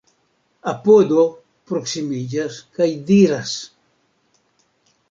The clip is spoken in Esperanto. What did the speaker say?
Apodo proksimiĝas kaj diras: